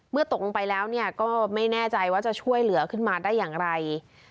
ตกลงไปแล้วก็ไม่แน่ใจว่าจะช่วยเหลือขึ้นมาได้อย่างไร